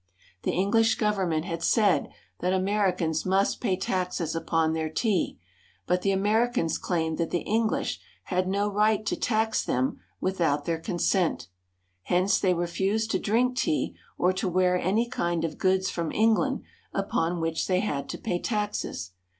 The English government had said that Americans must pay taxes upon their tea, but the Americans claimed that the English had no right to tax them without their consent. Hence they refused to drink tea, or to wear any kind of goods from England upon which they had to pay taxes.